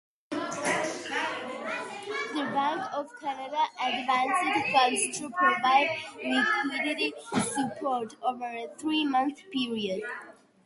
The Bank of Canada advanced funds to provide liquidity support over a three-month period.